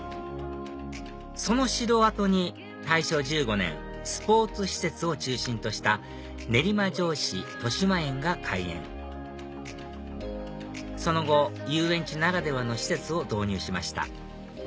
その城跡に大正１５年スポーツ施設を中心とした練馬城址豊島園が開園その後遊園地ならではの施設を導入しました